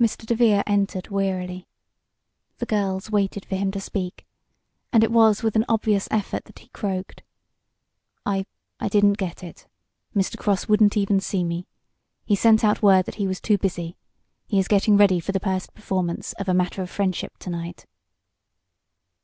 Mr. DeVere entered wearily. The girls waited for him to speak, and it was with an obvious effort that he croaked: "I I didn't get it. Mr. Cross wouldn't even see me. He sent out word that he was too busy. He is getting ready for the first performance of 'A Matter of Friendship,' to night."